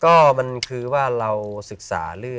เก็บเงินซื้อพระองค์เนี่ยเก็บเงินซื้อพระองค์เนี่ย